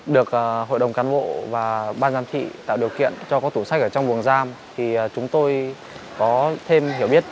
được hội đồng cán bộ và ban giam thị tạo điều kiện cho các tủ sách ở trong vùng giam